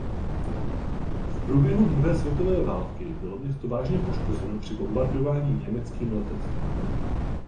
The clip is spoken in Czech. V průběhu druhé světové války bylo město vážně poškozeno při bombardování německým letectvem.